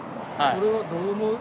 それはどう思う？